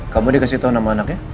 kamu dikasih tahu nama anaknya